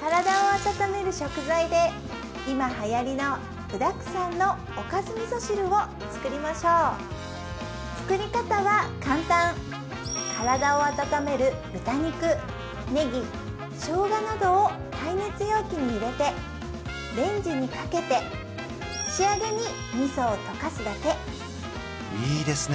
体を温める食材で今はやりの具沢山のおかず味噌汁を作りましょう作り方は簡単体を温める豚肉ねぎしょうがなどを耐熱容器に入れてレンジにかけて仕上げに味噌を溶かすだけいいですね